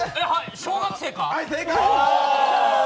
小学生か？